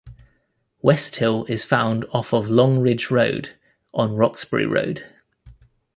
Westhill is found off of Long Ridge Road, on Roxbury Road.